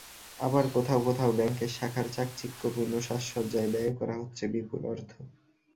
আবার কোথাও কোথাও ব্যাংকের শাখার চাকচিক্যপূর্ণ সাজসজ্জায় ব্যয়ও করা হচ্ছে বিপুল অর্থ।